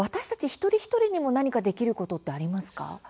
一人一人にも何かできることってありますか？